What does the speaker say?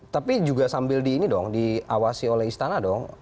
tapi juga sambil di ini dong diawasi oleh istana dong